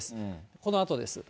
このあとです。